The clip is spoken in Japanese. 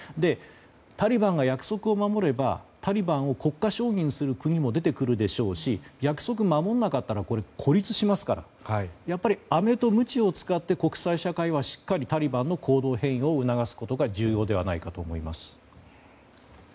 タリバンが約束を守ればタリバンを国家承認する国も出てくるでしょうし約束を守らなかったら孤立しますからやっぱりアメとムチを使って国際社会はしっかりタリバンの行動変容を促すことが重要ではないかと思います。